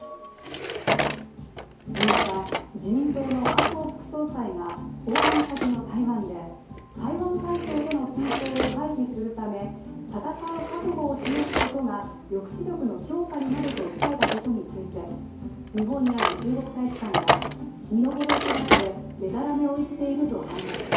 ８日、自民党の麻生副総裁が訪問先の台湾で、台湾海峡での戦争を回避するため戦う覚悟を示すことが抑止力の強化になると訴えたことについて日本にある中国大使館が身の程知らずででたらめを言っていると反発。